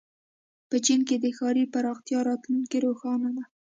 په چین کې د ښاري پراختیا راتلونکې روښانه ده.